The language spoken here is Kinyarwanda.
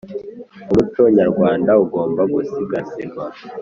Umuco nyarwanda ugomba gusigasirwa